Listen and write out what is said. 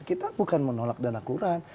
kita bukan menolak dana kelurahan